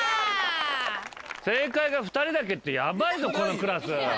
正解が２人だけってヤバいぞこのクラス。